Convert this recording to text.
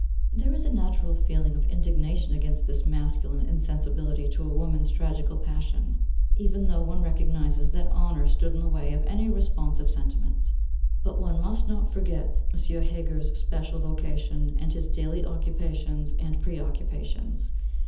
There is a natural feeling of indignation against this masculine insensibility to a woman's tragical passion, even though one recognises that honour stood in the way of any responsive sentiment. But one must not forget M. Heger's special vocation and his daily occupations and preoccupations.